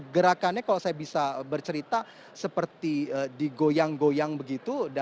gerakannya kalau saya bisa bercerita seperti digoyang goyang begitu